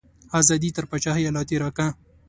ازادي تر پاچاهیه لا تیری کا.